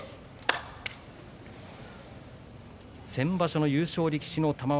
先場所の優勝力士の玉鷲